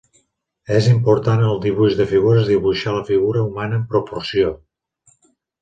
És important en el dibuix de figures dibuixar la figura humana en proporció.